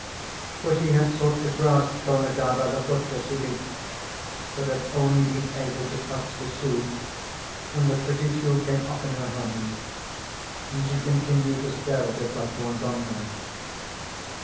For she had sought to grasp Ko Ngai by the foot as she leaped, but had only been able to clutch the shoe, and the pretty shoe came off in her hand; and she continued to stare at it like one gone mad.